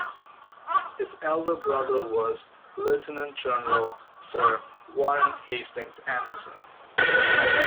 His elder brother was Lieutenant General Sir Warren Hastings Anderson.